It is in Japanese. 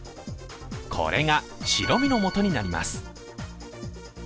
これが白身のもとになります。